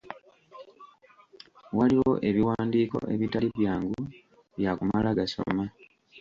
Waliwo ebiwandiiko ebitali byangu byakumala gasoma.